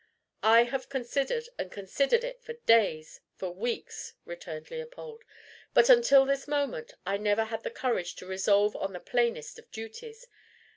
"I have considered and considered it for days for weeks," returned Leopold; "but until this moment I never had the courage to resolve on the plainest of duties.